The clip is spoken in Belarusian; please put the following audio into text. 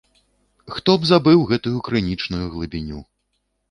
Хто б забыў гэту крынічную глыбіню?!